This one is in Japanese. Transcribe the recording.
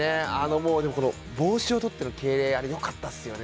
帽子を取っての敬礼、良かったですね。